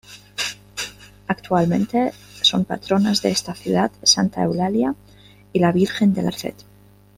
Actualmente son patronas de esta ciudad Santa Eulalia y la Virgen de la Merced.